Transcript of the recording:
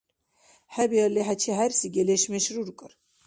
ХӀебиалли, хӀечи хӀерси гелешмеш рургар?